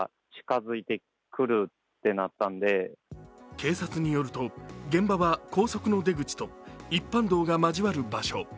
警察によると現場は高速の出口と一般道が交わる場所。